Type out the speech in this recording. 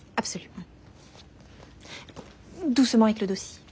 うん。